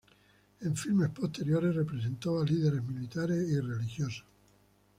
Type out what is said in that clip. En filmes posteriores representó a líderes militares y religiosos.